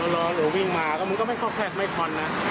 ล้อหรือวิ่งมาก็ไม่ค่อยแพร่ไม่ค้นนะ